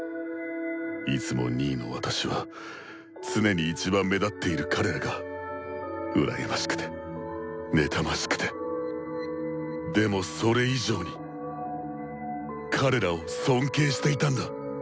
いつも２位の私は常に一番目立っている彼らが羨ましくて妬ましくてでもそれ以上に彼らを尊敬していたんだ。